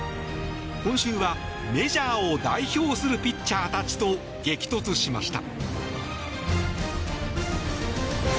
今週はメジャーを代表するピッチャーたちと激突しました。